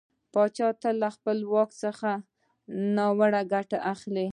پاچا تل له خپله واک څخه ناوړه ګټه اخلي .